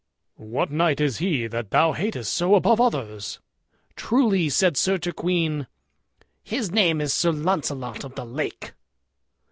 "What knight is he that thou hatest so above others?" "Truly," said Sir Turquine, "his name is Sir Launcelot of the Lake."